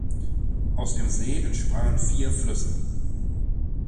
Aus dem See entsprangen vier Flüsse.